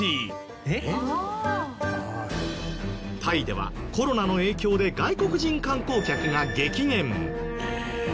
タイではコロナの影響で外国人観光客が激減。